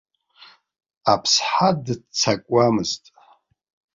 Аԥсҳа дыццакуамызт.